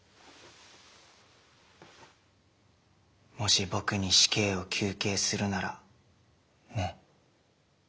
もし僕に死刑を求刑するならね。